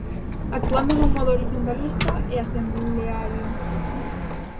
Actuando dun modo horizontalista e asembleario.